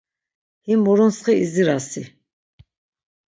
Him muruntsxi izirasi…